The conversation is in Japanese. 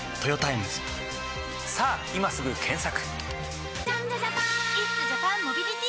さぁ今すぐ検索！